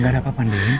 gak ada apa apa ndi